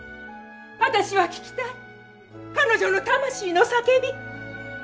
私は聞きたい彼女の魂の叫び。